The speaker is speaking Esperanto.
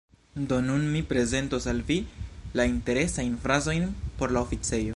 Do nun mi prezentos al vi la interesajn frazojn por la oficejo: